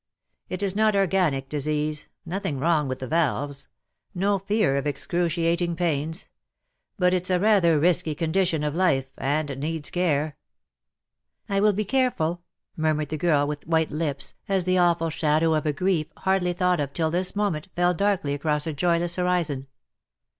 It is not organic disease — nothing wrong with the valves — no fear of excruciating pains — but it's a rather risky condition of life, and needs care/' '' I will be careful/' murmured the girl, with white lips, as the awful shadow of a grief, hardly thought of till this moment, fell darkly across her joyless horizon.